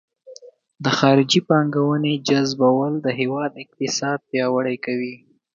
د خارجي پانګونې جذبول د هیواد اقتصاد پیاوړی کوي.